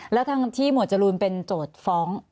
แล้วทั้งที่หมวดจรูนเป็นโจทย์ฟ้อง